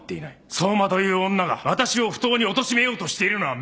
相馬という女が私を不当におとしめようとしているのは明白だ。